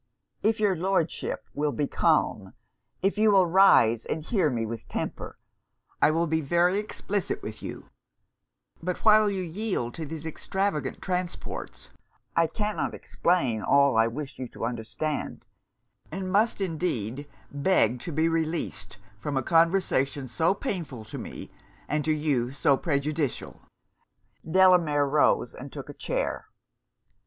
'If your Lordship will be calm if you will rise, and hear me with temper, I will be very explicit with you; but while you yield to these extravagant transports, I cannot explain all I wish you to understand; and must indeed beg to be released from a conversation so painful to me, and to you so prejudicial.' Delamere rose and took a chair.